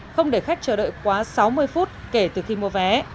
không để khách chờ đợi quá sáu mươi phút kể từ khi mua vé